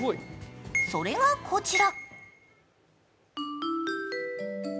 それがこちら。